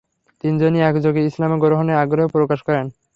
তিনজনই একযোগে ইসলাম গ্রহণের আগ্রহ প্রকাশ করেন।